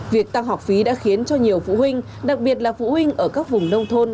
việc tăng học phí đã khiến cho nhiều phụ huynh đặc biệt là phụ huynh ở các vùng nông thôn